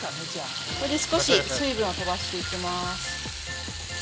ここで少し水分を飛ばしていきます。